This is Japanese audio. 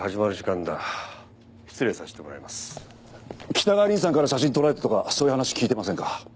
北川凛さんから写真撮られたとかそういう話聞いてませんか？